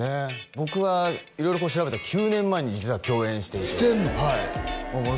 僕は色々調べたら９年前に実は共演していてしてんの？